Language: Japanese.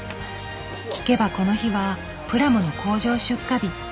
聞けばこの日はプラモの工場出荷日。